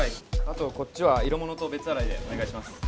あとこっちは色物と別洗いでお願いします